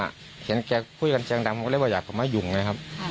ก็เลยเห็นแกคุยกันสีเซียงดังพวกแล้วเรียกว่าอยากมายุ่งไงครับ